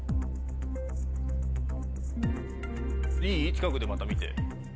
近くでまた見て。